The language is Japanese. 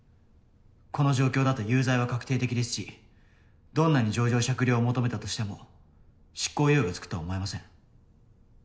この状況だと有罪は確定的ですしどんなに情状酌量を求めたとしても執行猶予がつくとは思えません。